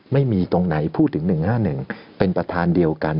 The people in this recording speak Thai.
ไม่มีตรงไหนพูดถึง๑๕๑เป็นประธานเดียวกัน